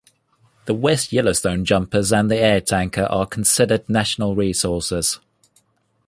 The West Yellowstone jumpers and the air tanker are considered national resources.